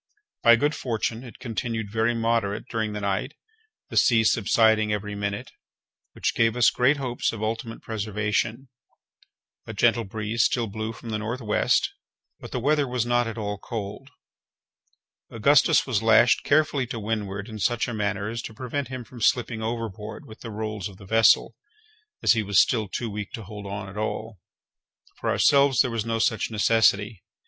By good fortune it continued very moderate during the night, the sea subsiding every minute, which gave us great hopes of ultimate preservation. A gentle breeze still blew from the N. W., but the weather was not at all cold. Augustus was lashed carefully to windward in such a manner as to prevent him from slipping overboard with the rolls of the vessel, as he was still too weak to hold on at all. For ourselves there was no such necessity.